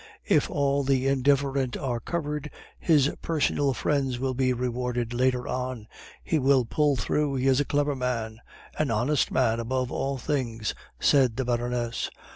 "'If all the indifferent are covered, his personal friends will be rewarded later on. He will pull through; he is a clever man.' "'An honest man, above all things,' said the Baroness.